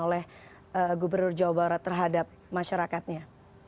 oleh gubernur jawa barat terhadap masyarakatnya